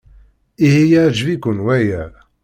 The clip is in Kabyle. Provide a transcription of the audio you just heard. Ihi yeɛjeb-iken waya?